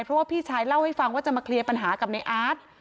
เพราะว่าพี่ชายเล่าให้ฟังว่าจะมาเคลียร์ปัญหากับในอาร์ต